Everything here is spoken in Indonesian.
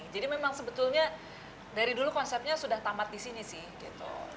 jadi memang sebetulnya dari dulu konsepnya sudah tamat di sini sih gitu